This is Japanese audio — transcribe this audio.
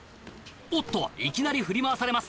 おっといきなり振り回されます。